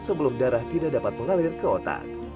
sebelum darah tidak dapat mengalir ke otak